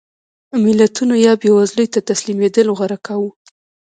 ملتونو یا بېوزلۍ ته تسلیمېدل غوره کاوه.